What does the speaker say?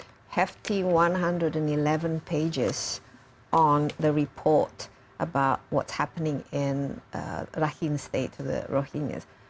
dan anda juga telah menulis sebuah report tentang apa yang terjadi di rahim state rohingya